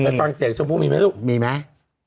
ไปฟังเสียงชมพู่มีไหมลูกมีไหม